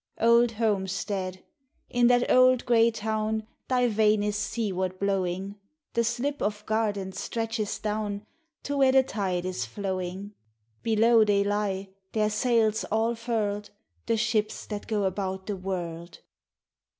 Old homestead! In that old, gray town, Thv vane is seaward blowing, The slip of garden stretches down To where the tide is flowing: Below they lie, their sails all furled, The ships that go about the world.